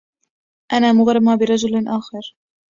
أنا مغرمة برجل آخر.